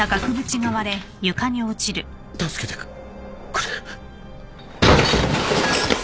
助けてくれ。